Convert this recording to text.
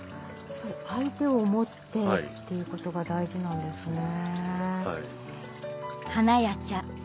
相手を思ってっていうことが大事なんですね。